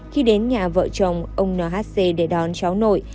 khi đến nhà vợ chồng ông nhc để đón cháu nội